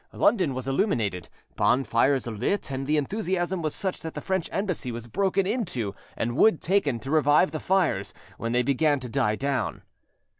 London was illuminated, bonfires lit, and the enthusiasm was such that the French Embassy was broken into and wood taken to revive the fires when they began to die down.